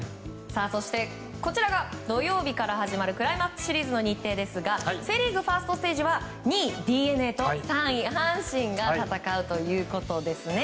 そして土曜日から始まるクライマックスシリーズの日程ですがセ・リーグファーストステージは２位ＤｅＮＡと３位阪神が戦うと。